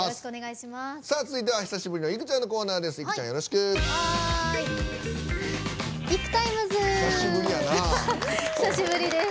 続いては久しぶりのいくちゃんのコーナーです。